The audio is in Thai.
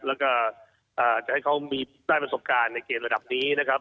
แล้วก็จะให้เขามีได้ประสบการณ์ในเกมระดับนี้นะครับ